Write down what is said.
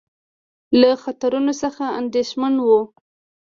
له خطرونو څخه اندېښمن وو.